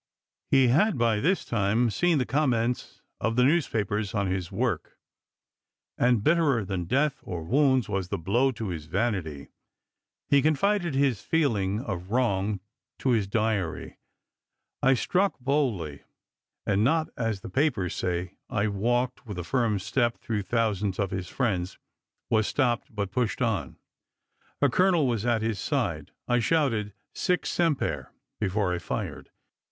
He had by this time seen the comments of the newspapers on his work, and bitterer than death or wounds was the blow to his vanity. He con ibid., p. 310. fided his feelings of wrong to his diary :" I struck boldly, and not as the papers say ; I walked with a 310 ABRAHAM LINCOLN chap. xv. firm step through thousands of his friends ; was stopped, but pushed on. A colonel was at his side. I shouted Sic Semper before I fired.